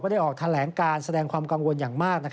ได้ออกแถลงการแสดงความกังวลอย่างมาก